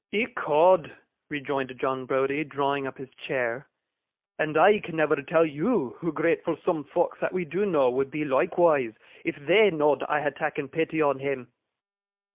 'Ecod!' rejoined John Browdie, drawing up his chair; 'and I can never tell YOU hoo gratful soom folks that we do know would be loikewise, if THEY know'd I had takken pity on him.